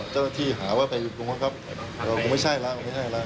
เจ้าที่หาว่าไปบุคคลครับก็ไม่ใช่แล้ว